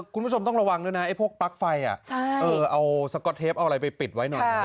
คุณผู้ชมต้องระวังด้วยนะไอ้พวกปลั๊กไฟเอาสก๊อตเทปเอาอะไรไปปิดไว้หน่อย